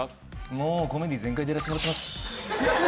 もうコメディー全開でやらしてもらってます。